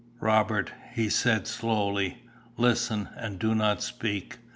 "Robert," he said, slowly. "Listen, and do not speak.